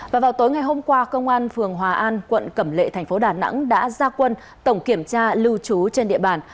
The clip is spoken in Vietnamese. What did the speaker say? và vào tối ngày hôm qua công an phường hòa an quận cẩm lệ thành phố đà nẵng đã ra quân tổng kiểm tra lưu trú trên địa bàn